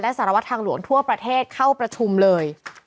สารวัตรทางหลวงทั่วประเทศเข้าประชุมเลย